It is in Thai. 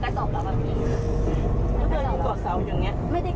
ใช่เราไม่มีความแก่อะไรการเบียน